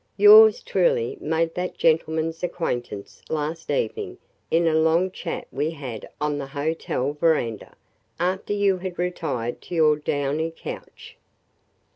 Yours truly made that gentleman's acquaintance last evening in a long chat we had on the hotel veranda, after you had retired to your downy couch!"